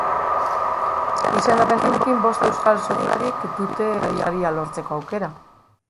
Izendapen honekin bost euskal surflarik dute saria lortzeko aukera.